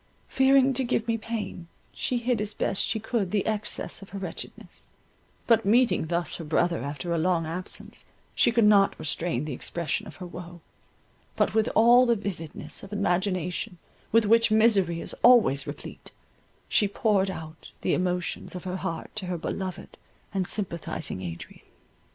Fearing to give me pain, she hid as best she could the excess of her wretchedness, but meeting thus her brother after a long absence, she could not restrain the expression of her woe, but with all the vividness of imagination with which misery is always replete, she poured out the emotions of her heart to her beloved and sympathizing Adrian.